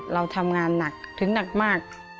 เราทำงานหนักถึงหนักมาก